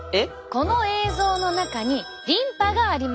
この映像の中にリンパがあります。